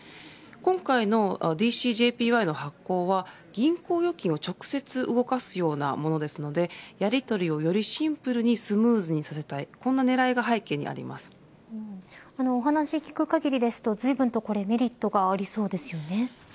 今回のＤＣＪＰＹの発行は銀行預金を直接動かすようなものですのでやり取りを、よりシンプルにスムーズにさせたいお話聞く限りですとずいぶんとメリットがありそうですよね。